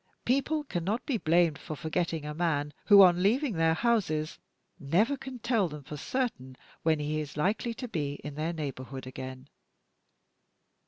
People cannot be blamed for forgetting a man who, on leaving their houses, never can tell them for certain when he is likely to be in their neighborhood again.